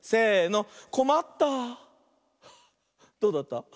どうだった？